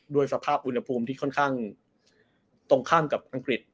สภาพอุณหภูมิที่ค่อนข้างตรงข้ามกับอังกฤษ